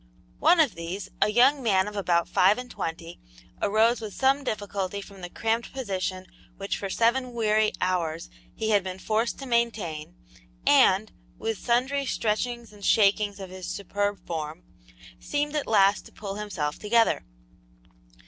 One of these, a young man of about five and twenty, arose with some difficulty from the cramped position which for seven weary hours he had been forced to maintain, and, with sundry stretchings and shakings of his superb form, seemed at last to pull himself together.